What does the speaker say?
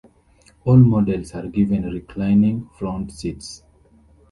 All models are given reclining front seats.